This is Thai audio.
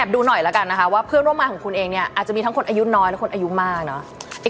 ดูหน่อยแล้วกันนะคะว่าเพื่อนร่วมงานของคุณเองเนี่ยอาจจะมีทั้งคนอายุน้อยและคนอายุมากเนอะ